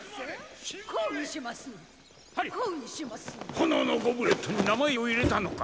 炎のゴブレットに名前を入れたのか？